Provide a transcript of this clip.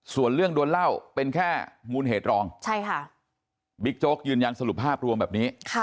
ส่วนเรื่องดวนเล่าเป็นแค่มูลเหตุรองบิ๊กโจ๊กยืนยันสรุปภาพรวมแบบนี้